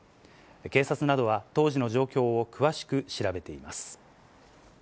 警察などは、当時の状況を詳しく調べています。